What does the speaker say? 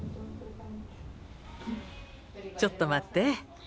ちょっと待って。